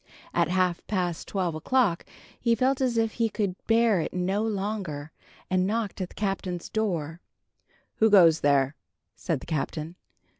At half past twelve o'clock he felt as if he could bear it no longer, and knocked at the Captain's door. "Who goes there?" said the Captain.